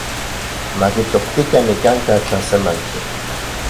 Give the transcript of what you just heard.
Makitoktikan nikanka’ tlasemanki.